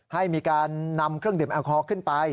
ให้มีการนำเครื่องดื่มแอลกอฮอลขึ้นไป